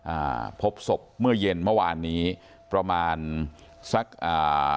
อ่าพบศพเมื่อเย็นเมื่อวานนี้ประมาณสักอ่า